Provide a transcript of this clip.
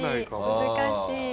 難しい。